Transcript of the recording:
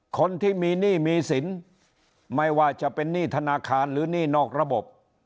คนที่มีหนี้มีสินไม่ว่าจะเป็นหนี้ธนาคารหรือหนี้นอกระบบ